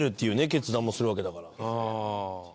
決断もするわけだから。